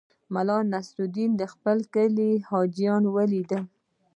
ملا نصرالدین د خپل کلي حاجیان ولیدل.